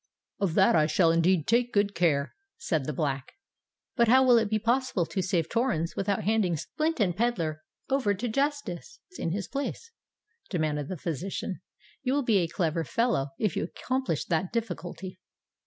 "Of that I shall indeed take good care," said the Black. "But how will it be possible to save Torrens without handing Splint and Pedler over to justice in his place?" demanded the physician. "You will be a clever fellow if you accomplish that difficulty."